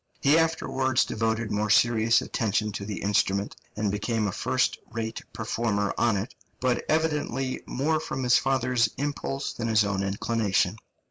He afterwards devoted more serious attention to the instrument, and became a first rate performer on it, but evidently more from his father's impulse than his own inclination.